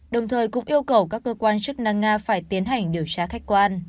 đồng thời cũng yêu cầu các cơ quan chức năng nga phải tiến hành điều tra khách quan